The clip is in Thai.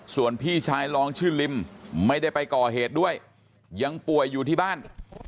ส่วนพี่ชายรองชื่อลิมไม่ได้ไปก่อเหตุด้วยยังป่วยอยู่ที่บ้าน